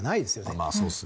まあそうですね。